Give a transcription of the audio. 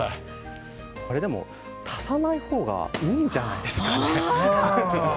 でも足さない方がいいんじゃないですか？